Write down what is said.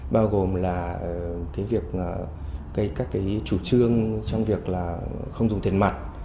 bao gồm các chủ trương trong việc không dùng tiền mặt